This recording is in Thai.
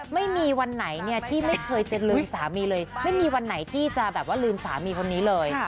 ไม่มีวันไหนเนี่ยที่ไม่เคยจะลืมสามีเลยไม่มีวันไหนที่จะแบบว่าลืมสามีคนนี้เลย